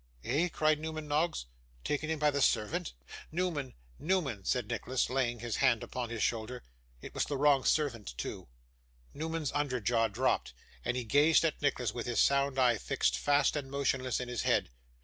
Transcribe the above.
'Eh?' cried Newman Noggs. 'Taken in by the servant?' 'Newman, Newman,' said Nicholas, laying his hand upon his shoulder: 'it was the wrong servant too.' Newman's under jaw dropped, and he gazed at Nicholas, with his sound eye fixed fast and motionless in his head.